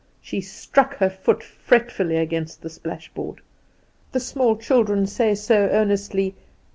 '" She struck her foot fretfully against the splashboard. "The small children say so earnestly.